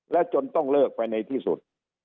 และจนต้องเลิกไปในที่สุด